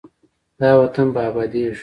دا وطن به ابادیږي.